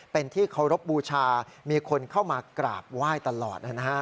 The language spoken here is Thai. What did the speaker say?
เป็นที่เคารพบูชามีคนเข้ามากราบไหว้ตลอดนะฮะ